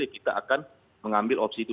kita akan mengambil opsi itu